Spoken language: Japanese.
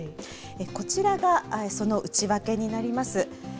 こちらが、その内訳になります。